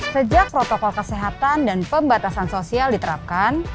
sejak protokol kesehatan dan pembatasan sosial diterapkan